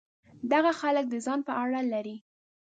دغه خلک د ځان په اړه لري.